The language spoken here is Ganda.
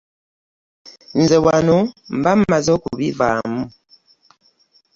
Nze wano mba mmaze okubivaamu.